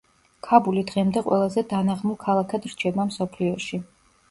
ქაბული დღემდე ყველაზე დანაღმულ ქალაქად რჩება მსოფლიოში.